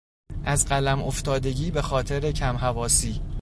از قلم افتادگی به خاطر کمحواسی